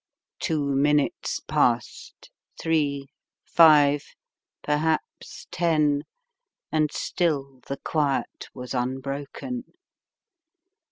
Two minutes passed, three — five — perhaps ten, and still the quiet was unbroken.